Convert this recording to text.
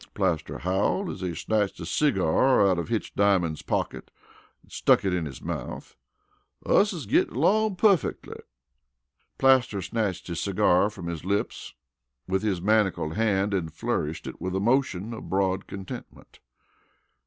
Plaster howled, as he snatched a cigar out of Hitch Diamond's pocket and stuck it in his mouth. "Us is gittin' along puffeckly." Plaster snatched his cigar from his lips with his manacled hand and flourished it with a motion of broad contentment.